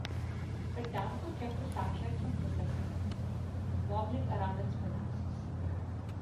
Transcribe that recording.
A damper kept the satellite from precessing (wobbling around its spin axis).